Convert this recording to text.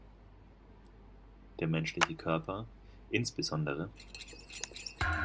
Der menschliche Körper, insb.